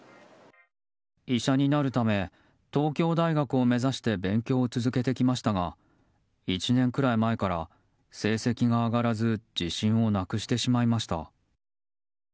医者になるため東京大学を目指して勉強を続けてきましたが１年くらい前から成績が上がらず自信をなくしてしまいました。